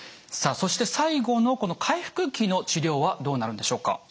さあそして最後のこの回復期の治療はどうなるんでしょうか？